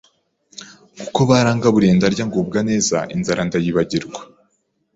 kuko barangaburiye ndarya ngubwa neza inzara ndayibagirwa